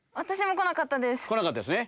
来なかったですね？